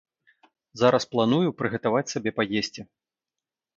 Зараз планую прыгатаваць сабе паесці.